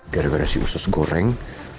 gara gara si usus goreng